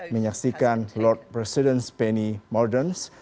menyaksikan lord presiden penny mordauns